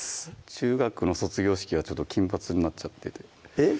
中学の卒業式はちょっと金髪になっちゃっててえっ？